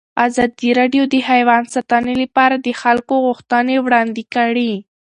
ازادي راډیو د حیوان ساتنه لپاره د خلکو غوښتنې وړاندې کړي.